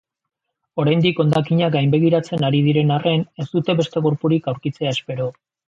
Oraindik hondakinak gainbegiratzen ari diren arren, ez dute beste gorpurik aurkitzea espero.